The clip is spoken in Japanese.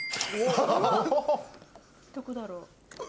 どこだろう？